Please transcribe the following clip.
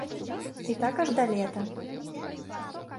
І так аж да лета.